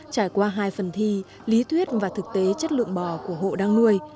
trải qua hai phần thi lý thuyết và thực tế chất lượng bò của hộ đang nuôi